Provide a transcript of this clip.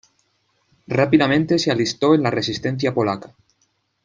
Rápidamente se alistó en la resistencia polaca.